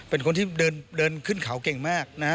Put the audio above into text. เป็นคนที่เดินขึ้นเขาเก่งมากนะฮะ